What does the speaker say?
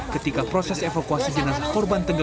ketika proses evakuasi jenazah korban tenggelam